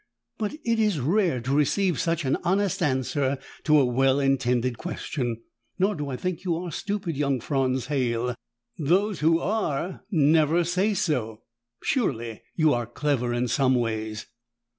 "But it is rare to receive such an honest answer to a well intended question. Nor do I think you are stupid, young Franz Halle. Those who are never say so. Surely you are clever in some ways?"